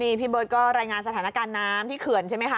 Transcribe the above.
นี่พี่เบิร์ตก็รายงานสถานการณ์น้ำที่เขื่อนใช่ไหมคะ